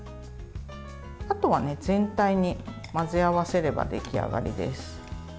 あとは、全体に混ぜ合わせれば出来上がりです。